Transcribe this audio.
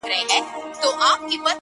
• خدای ورکړی په قدرت ښکلی جمال وو ,